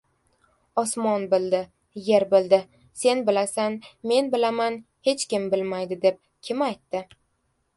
• Osmon bildi, yer bildi, sen bilasan, men bilaman — hech kim bilmaydi deb kim aytdi?